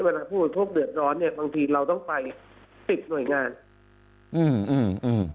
ผู้บริโภคเดือดร้อนเนี้ยบางทีเราต้องไปปิดหน่วยงานอืมอืม